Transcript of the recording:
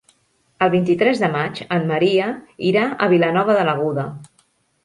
El vint-i-tres de maig en Maria irà a Vilanova de l'Aguda.